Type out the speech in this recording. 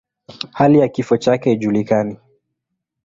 Hali ya kifo chake haijulikani.